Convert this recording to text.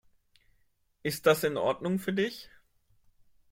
Ist das in Ordnung für dich?